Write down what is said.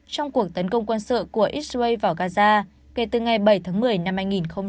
trong cuộc tấn công quân sự của israel vào gaza kể từ ngày bảy tháng một mươi năm hai nghìn một mươi ba